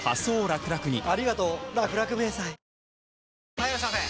・はいいらっしゃいませ！